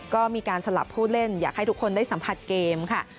ก็มีการสลับผู้เล่นอยากให้ทุกคนได้สัมผัสเกมค่ะ